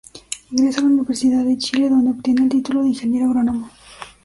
Ingresa a la Universidad de Chile donde obtiene el título de Ingeniero Agrónomo.